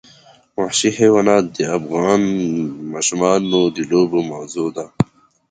وحشي حیوانات د افغان ماشومانو د لوبو موضوع ده.